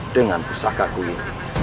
dengan pusakaku ini